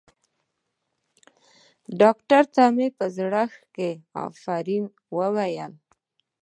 ډاکتر ته مې په زړه کښې افرين ووايه.